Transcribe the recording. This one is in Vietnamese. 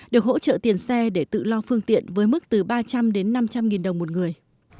được hỗ trợ tiền xe để tự lo phương tiện với mức từ ba trăm linh đến năm trăm linh nghìn đồng một người